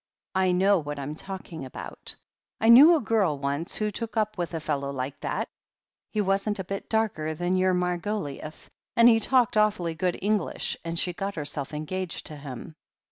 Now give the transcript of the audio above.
"I know what I'm talking about. I knew a girl once who took up with a fellow like that. He wasn't a bit darker than your Margoliouth, and he talked awfully good English, and she got herself engaged to him.